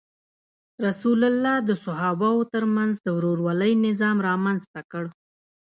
رسول الله د صحابه وو تر منځ د ورورولۍ نظام رامنځته کړ.